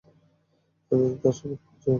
আমি তার সম্পর্কে সবকিছু জানি।